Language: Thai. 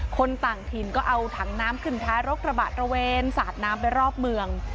คนต่างถิ่นก็เอาถังน้ำขึ้นท้ายรกระบะตระเวนสาดน้ำไปรอบเมือง